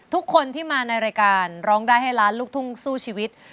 ทุกคนที่มาในรายการร้องได้ให้ล้านลูกทุ่งสู้ชีวิต